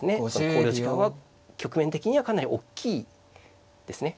考慮時間は局面的にはかなり大きいですね。